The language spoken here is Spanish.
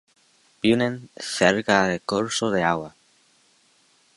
Viven cerca de cursos de agua.